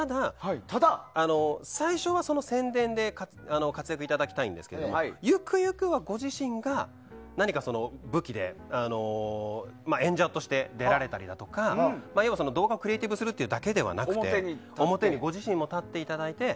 ただ、最初は宣伝で活躍いただきたいんですがゆくゆくはご自身が何か武器で演者として出られたり要は動画をクリエーティブするだけではなくて表にご自身も立っていただいて。